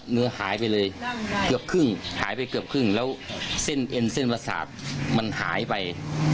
เนื้อหายไปเลยเกือบครึ่งหายไปเกือบครึ่งแล้วเส้นเอ็นเส้นประสาทมันหายไป